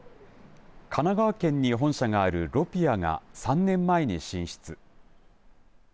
神奈川県に本社があるロピアが３年前に進出。